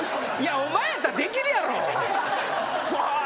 お前やったらできるやろ！